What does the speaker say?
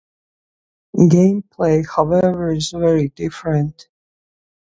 Game play, however, is very different.